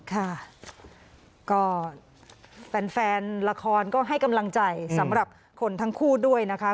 ค่ะก็แฟนละครก็ให้กำลังใจสำหรับคนทั้งคู่ด้วยนะคะ